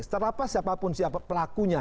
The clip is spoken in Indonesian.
setelah siapapun pelakunya